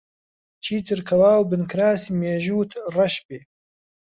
چیتر کەوا و بنکراسی مێژووت ڕەش بێ؟